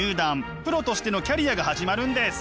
プロとしてのキャリアが始まるんです。